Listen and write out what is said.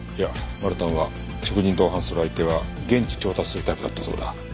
マルタンは食事に同伴する相手は現地調達するタイプだったそうだ。